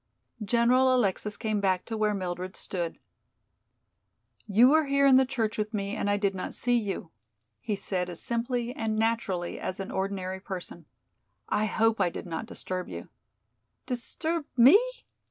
General Alexis came back to where Mildred stood. "You were here in church with me and I did not see you," he said as simply and naturally as an ordinary person, "I hope I did not disturb you." "_Disturb me!